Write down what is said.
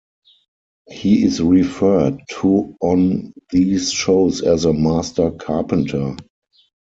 He is referred to on these shows as a "master carpenter".